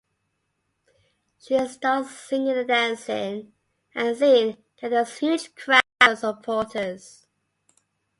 She starts singing and dancing and soon gathers huge crowds of supporters.